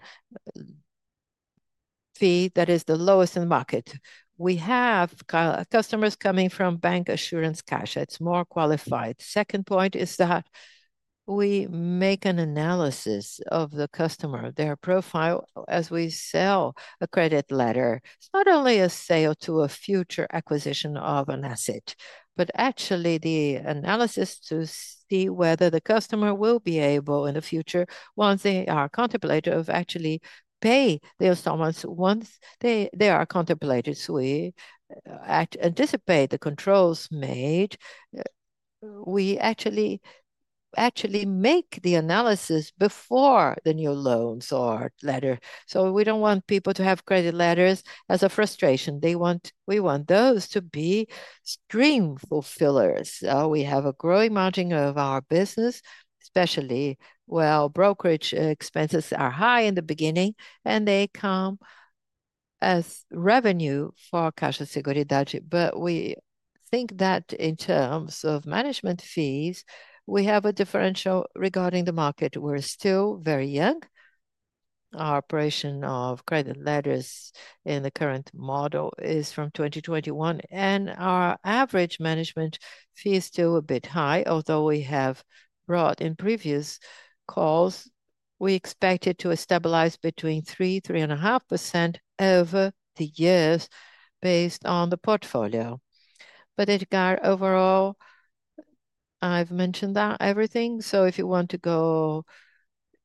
fee that is the lowest in the market. We have customers coming from Bancassurance CAIXA. It's more qualified. The second point is that we make an analysis of the customer, their profile as we sell a credit letter. It's not only a sale to a future acquisition of an asset, but actually the analysis to see whether the customer will be able in the future, once they are contemplative, of actually paying the installments once they are contemplative. We anticipate the controls made. We actually make the analysis before the new loans or letter. We don't want people to have credit letters as a frustration. We want those to be stream fulfillers. We have a growing margin of our business, especially while brokerage expenses are high in the beginning, and they come as revenue for CAIXA Seguridade. We think that in terms of management fees, we have a differential regarding the market. We're still very young. Our operation of credit letters in the current model is from 2021, and our average management fee is still a bit high. Although we have brought in previous calls, we expect it to stabilize between 3%, 3.5% over the years based on the portfolio. Edgard, overall, I've mentioned that everything. If you want to go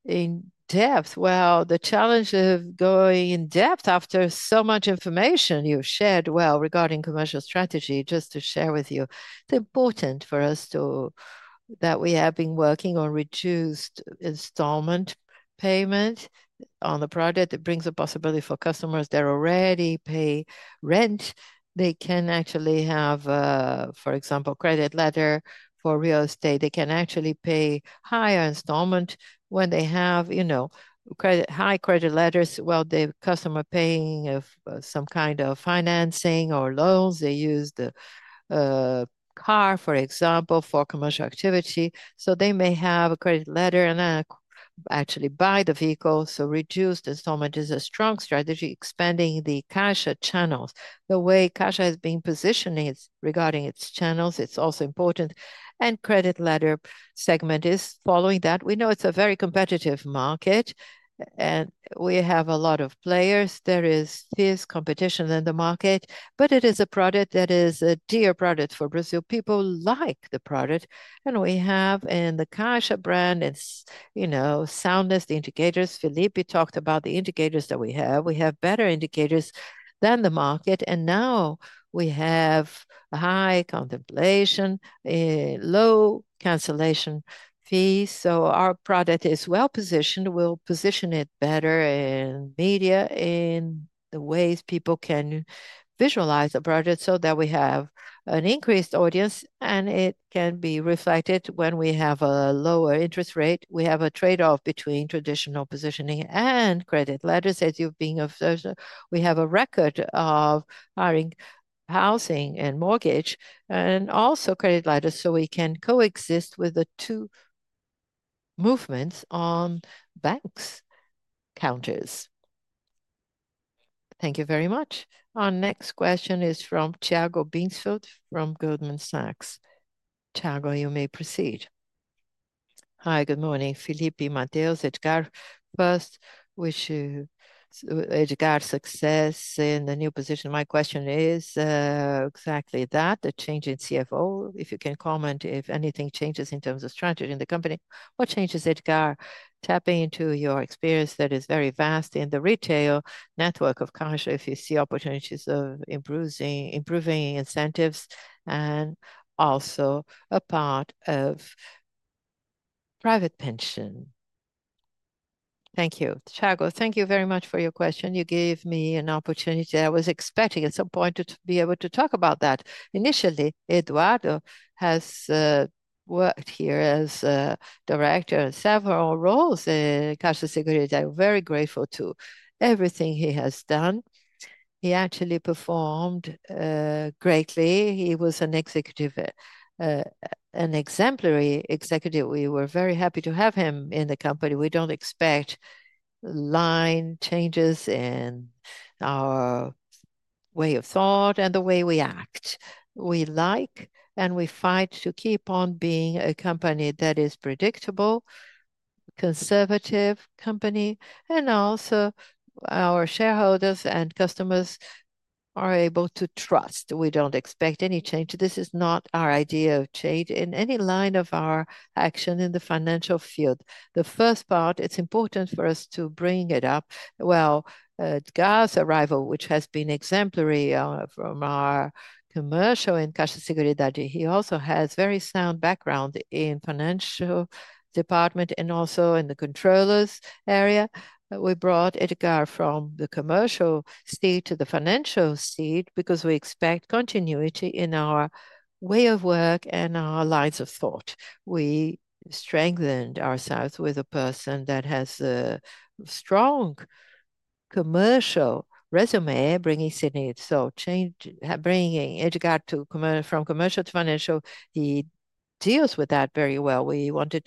in depth. The challenge of going in depth after so much information you've shared, regarding commercial strategy, just to share with you, it's important for us that we have been working on reduced installment payment on the product. It brings a possibility for customers that already pay rent. They can actually have, for example, a credit letter for real estate. They can actually pay higher installment when they have, you know, high credit letters. The customer is paying some kind of financing or loans. They use the car, for example, for commercial activity. They may have a credit letter and actually buy the vehicle. Reduced installment is a strong strategy, expanding the CAIXA channels. The way CAIXA has been positioning regarding its channels is also important, and the credit letter segment is following that. We know it's a very competitive market, and we have a lot of players. There is fierce competition in the market, but it is a product that is a dear product for Brazil. People like the product, and we have in the CAIXA brand its soundness, the indicators. Felipe talked about the indicators that we have. We have better indicators than the market, and now we have a high contemplation, a low cancellation fee. Our product is well positioned. We'll position it better in media, in the ways people can visualize the product so that we have an increased audience, and it can be reflected when we have a lower interest rate. We have a trade-off between traditional positioning and credit letters, as you've been observing. We have a record of hiring housing and mortgage and also credit letters, so we can coexist with the two movements on banks' counters. Thank you very much. Our next question is from Tiago Binsfeld from Goldman Sachs. Tiago, you may proceed. Hi, good morning. Felipe, Matheus, Edgard. First, wish you Edgard success in the new position. My question is exactly that, the change in CFO. If you can comment if anything changes in terms of strategy in the company, what changes Edgard tapping into your experience that is very vast in the retail network of CAIXA if you see opportunities of improving incentives and also a part of private pension? Thank you. Tiago, thank you very much for your question. You gave me an opportunity. I was expecting at some point to be able to talk about that. Initially, Eduardo has worked here as a Director in several roles at CAIXA Seguridade. I'm very grateful to everything he has done. He actually performed greatly. He was an exemplary executive. We were very happy to have him in the company. We don't expect line changes in our way of thought and the way we act. We like and we fight to keep on being a company that is predictable, a conservative company, and also our shareholders and customers are able to trust. We don't expect any change. This is not our idea of change in any line of our action in the financial field. The first part, it's important for us to bring it up. Edgard's arrival, which has been exemplary from our commercial in CAIXA Seguridade, he also has a very sound background in the financial department and also in the controllers' area. We brought Edgard from the commercial seat to the financial seat because we expect continuity in our way of work and our lines of thought. We strengthened ourselves with a person that has a strong commercial resume, bringing Edgard from commercial to financial. He deals with that very well. We wanted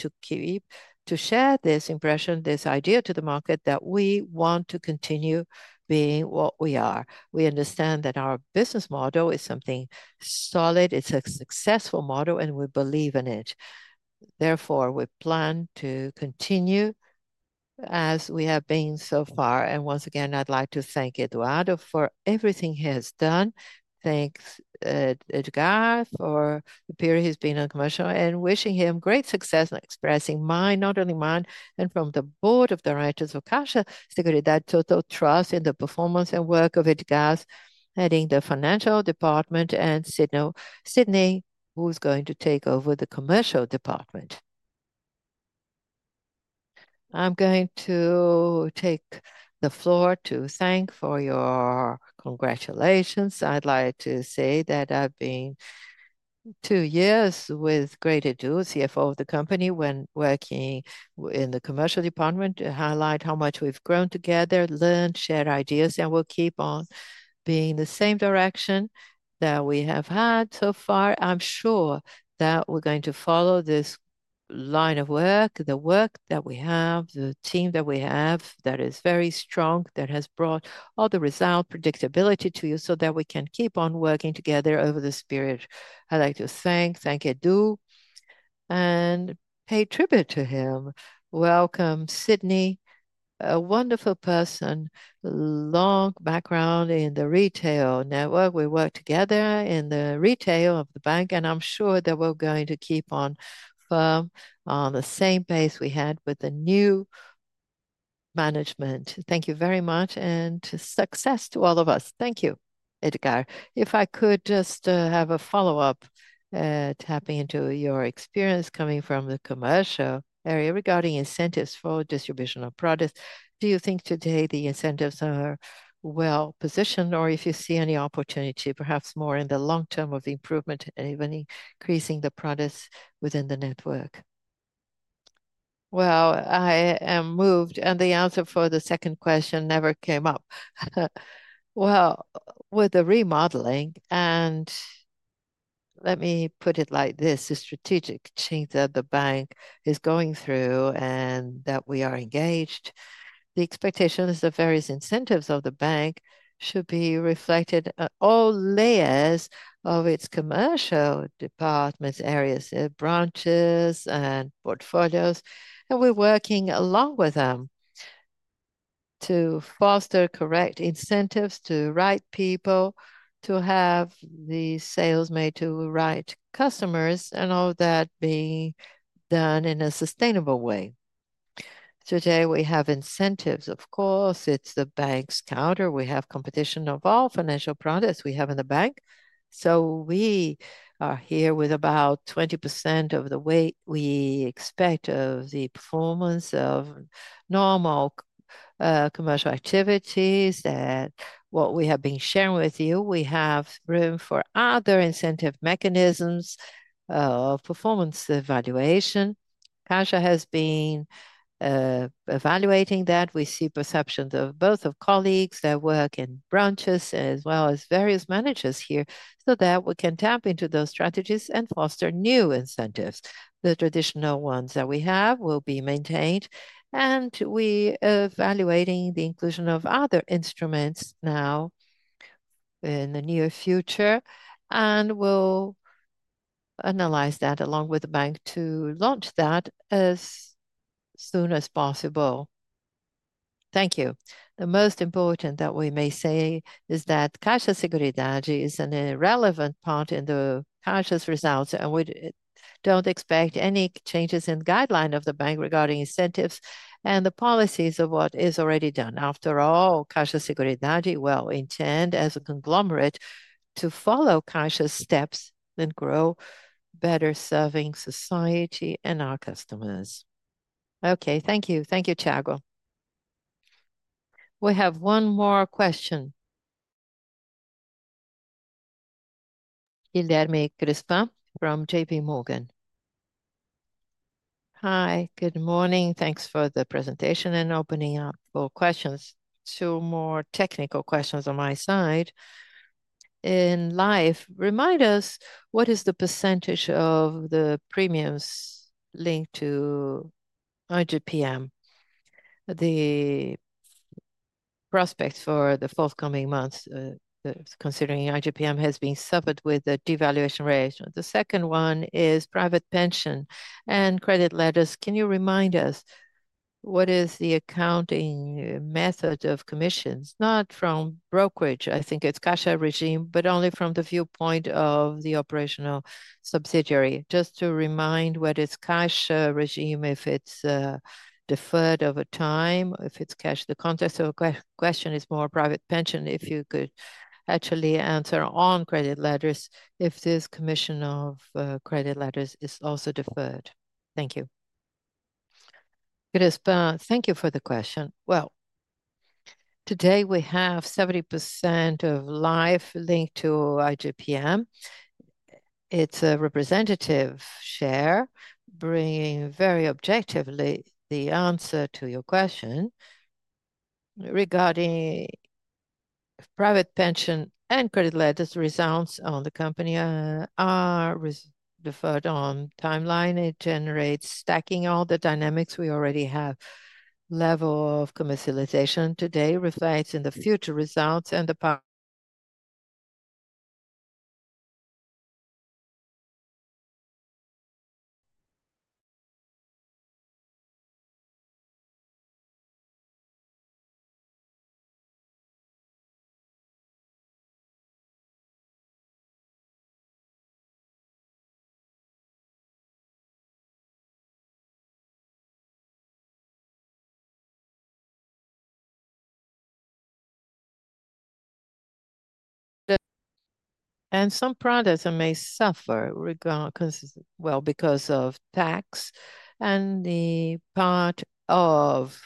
to share this impression, this idea to the market that we want to continue being what we are. We understand that our business model is something solid. It's a successful model, and we believe in it. Therefore, we plan to continue as we have been so far. Once again, I'd like to thank Eduardo for everything he has done. Thanks, Edgard, for the period he's been in commercial and wishing him great success in expressing mine, not only mine, and from the Board of Directors of CAIXA Seguridade, total trust in the performance and work of Edgard heading the financial department and Sidney, who's going to take over the commercial department. I'm going to take the floor to thank for your congratulations. I'd like to say that I've been two years with great Edu, CFO of the company, when working in the commercial department, to highlight how much we've grown together, learned, shared ideas, and we'll keep on being the same direction that we have had so far. I'm sure that we're going to follow this line of work, the work that we have, the team that we have that is very strong, that has brought all the results, predictability to you so that we can keep on working together over this period. I'd like to thank, thank Edu, and pay tribute to him. Welcome Sidney, a wonderful person, a long background in the retail network. We work together in the retail of the bank, and I'm sure that we're going to keep on firm on the same pace we had with the new management. Thank you very much, and to success to all of us. Thank you, Edgard. If I could just have a follow-up, tapping into your experience coming from the commercial area regarding incentives for distribution of products, do you think today the incentives are well positioned, or if you see any opportunity, perhaps more in the long term of the improvement and even increasing the products within the network? I am moved, and the answer for the second question never came up. With the remodeling, and let me put it like this, the strategic change that the bank is going through and that we are engaged, the expectations of various incentives of the bank should be reflected at all layers of its commercial department areas, branches, and portfolios, and we're working along with them to foster correct incentives to the right people, to have the sales made to the right customers, and all that being done in a sustainable way. Today, we have incentives, of course. It's the bank's counter. We have competition of all financial products we have in the bank. We are here with about 20% of the weight we expect of the performance of normal commercial activities. What we have been sharing with you, we have room for other incentive mechanisms of performance evaluation. CAIXA has been evaluating that. We see perceptions of both of colleagues that work in branches, as well as various managers here, so that we can tap into those strategies and foster new incentives. The traditional ones that we have will be maintained, and we are evaluating the inclusion of other instruments now in the near future, and we'll analyze that along with the bank to launch that as soon as possible. Thank you. The most important that we may say is that CAIXA Seguridade is an irrelevant part in the CAIXA's results, and we don't expect any changes in the guideline of the bank regarding incentives and the policies of what is already done. After all, CAIXA Seguridade will intend as a conglomerate to follow CAIXA's steps and grow better, serving society and our customers. Okay. Thank you. Thank you, Tiago. We have one more question. Guilherme Grespan from JPMorgan. Hi, good morning. Thanks for the presentation and opening up for questions. Two more technical questions on my side. In life, remind us what is the percentage of the premiums linked to IGP-M, the prospects for the forthcoming months, considering IGP-M has been supplied with the devaluation rate. The second one is private pension and credit letters. Can you remind us what is the accounting method of commissions? Not from brokerage, I think it's CAIXA regime, but only from the viewpoint of the operational subsidiary. Just to remind what is CAIXA regime, if it's deferred over time, if it's cash. The context of the question is more private pension. If you could actually answer on credit letters, if this commission of credit letters is also deferred. Thank you. Grespan, thank you for the question. Today we have 70% of life linked to IGP-M. It's a representative share, bringing very objectively the answer to your question. Regarding private pension and credit letters, results on the company are deferred on timeline. It generates stacking all the dynamics we already have. Level of commercialization today reflects in the future results. Some products may suffer because of tax, and the part of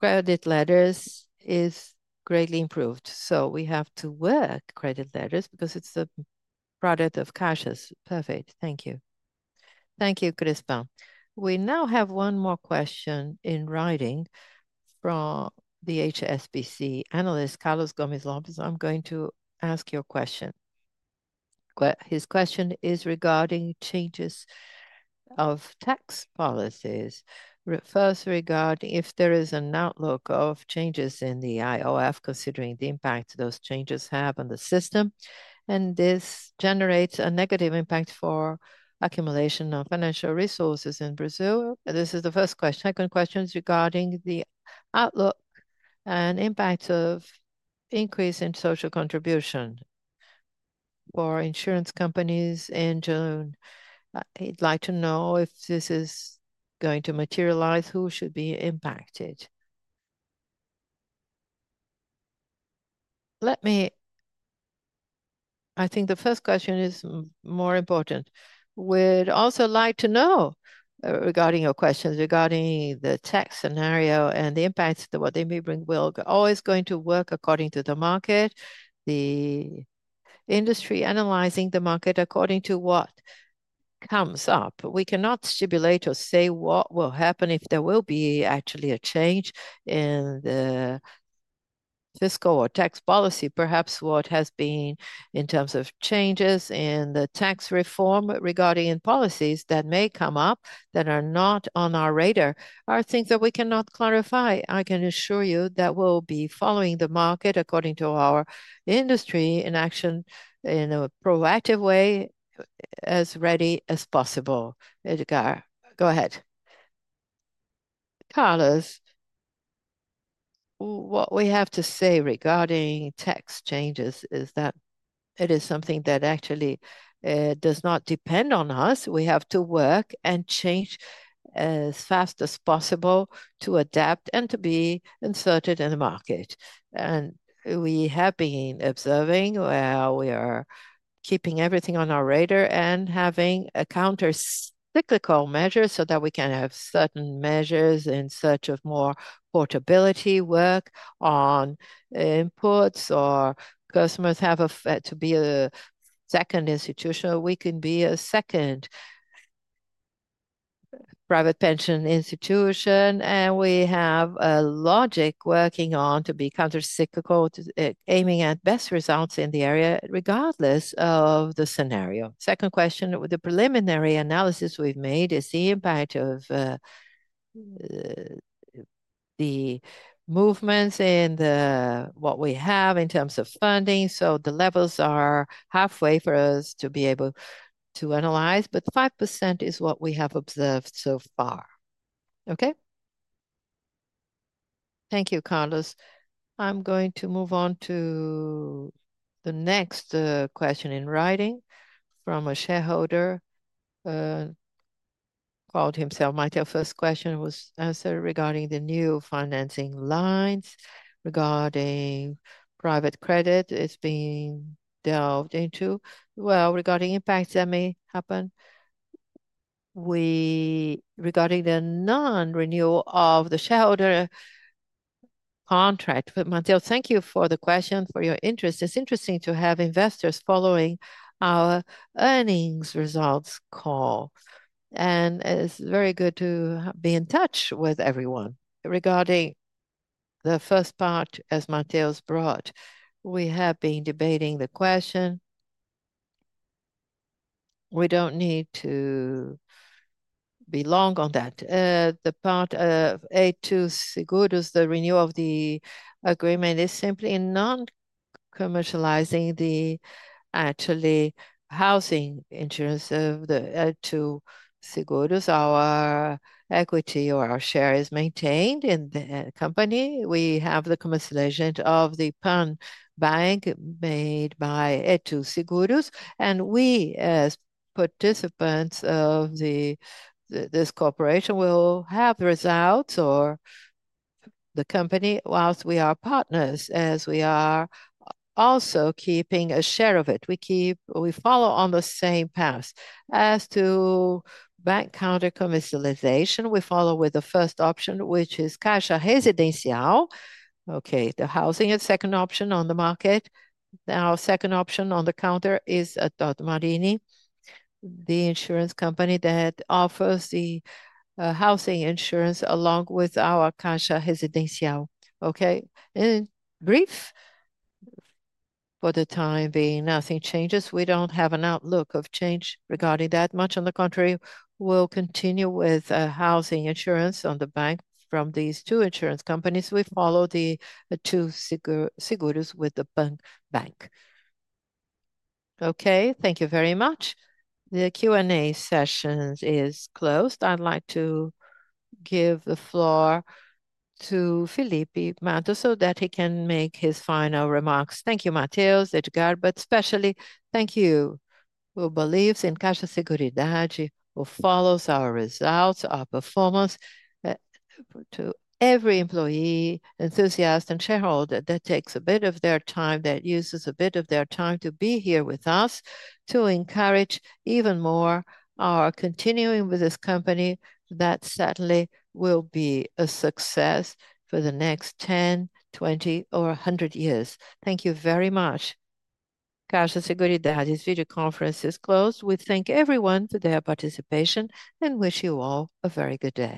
credit letters is greatly improved. We have to work credit letters because it's a product of CAIXA. Perfect. Thank you. Thank you, Grespan. We now have one more question in writing from the HSBC analyst Carlos Gomez Lopez. I'm going to ask your question. His question is regarding changes of tax policies. First, regarding if there is an outlook of changes in the IOF, considering the impact those changes have on the system, and this generates a negative impact for accumulation of financial resources in Brazil. This is the first question. The second question is regarding the outlook and impacts of increase in social contribution for insurance companies in June. He'd like to know if this is going to materialize, who should be impacted. I think the first question is more important. We'd also like to know regarding your questions regarding the tax scenario and the impacts that what they may bring will always going to work according to the market, the industry analyzing the market according to what comes up. We cannot stipulate or say what will happen if there will be actually a change in the fiscal or tax policy. Perhaps what has been in terms of changes in the tax reform regarding policies that may come up that are not on our radar are things that we cannot clarify. I can assure you that we'll be following the market according to our industry in action in a proactive way as ready as possible. Edgard, go ahead. Carlos, what we have to say regarding tax changes is that it is something that actually does not depend on us. We have to work and change as fast as possible to adapt and to be inserted in the market. We have been observing where we are keeping everything on our radar and having a countercyclical measure so that we can have certain measures in search of more portability work on inputs or customers have to be a second institution. We can be a second private pension institution, and we have a logic working on to be countercyclical, aiming at best results in the area regardless of the scenario. Second question, the preliminary analysis we've made is the impact of the movements in what we have in terms of funding. The levels are halfway for us to be able to analyze, but 5% is what we have observed so far. Okay. Thank you, Carlos. I'm going to move on to the next question in writing from a shareholder who called himself Matteo. First question was answered regarding the new financing lines regarding private credit. It's being delved into regarding impacts that may happen. Regarding the non-renewal of the shareholder contract. Matteo, thank you for the question, for your interest. It's interesting to have investors following our earnings results call, and it's very good to be in touch with everyone regarding the first part, as Matheu's brought. We have been debating the question. We don't need to be long on that. The part of Too Seguros, the renewal of the agreement, is simply non-commercializing the actual housing insurance of the Too Seguros. Our equity or our share is maintained in the company. We have the commercial agent of the PAN Bank made by Too Seguros. We, as participants of this corporation, will have the results or the company whilst we are partners, as we are also keeping a share of it. We follow on the same path. As to bank counter commercialization, we follow with the first option, which is CAIXA Residencial. The housing is the second option on the market. Our second option on the counter is a Tokio Marine, the insurance company that offers the housing insurance along with our CAIXA Residencial. In brief, for the time being, nothing changes. We don't have an outlook of change regarding that much. On the contrary, we'll continue with housing insurance on the bank from these two insurance companies. We follow the Too Seguros with the bank. Okay, thank you very much. The Q&A session is closed. I'd like to give the floor to Felipe Mattos so that he can make his final remarks. Thank you, Matheus, Edgard, but especially thank you who believes in CAIXA Seguridade, who follows our results, our performance, to every employee, enthusiast, and shareholder that takes a bit of their time, that uses a bit of their time to be here with us to encourage even more our continuing with this company that certainly will be a success for the next 10, 20, or 100 years. Thank you very much. CAIXA Seguridade, this video conference is closed. We thank everyone for their participation and wish you all a very good day.